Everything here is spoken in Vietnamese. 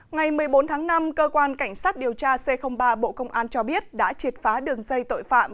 ngày một mươi bốn tháng năm cơ quan cảnh sát điều tra c ba bộ công an cho biết đã triệt phá đường dây tội phạm